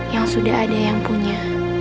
yang sudah ada yang punya